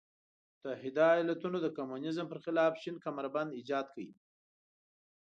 متحده ایالتونو د کمونیزم پر خلاف شین کمربند ایجاد کړ.